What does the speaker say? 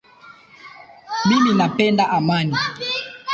Mimi napenda amani